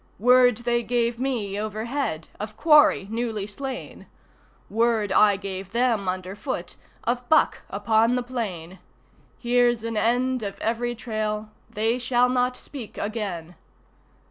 Word they gave me overhead of quarry newly slain, Word I gave them underfoot of buck upon the plain. Here's an end of every trail they shall not speak again!